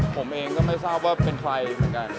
ผมเองก็ไม่ทราบว่าเป็นใครเหมือนกัน